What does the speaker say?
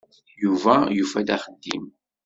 Yuba yufa-d axeddim.